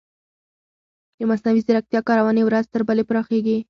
د مصنوعي ځیرکتیا کارونې ورځ تر بلې پراخیږي.